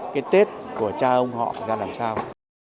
cái tết của cha ông họ ra làm sao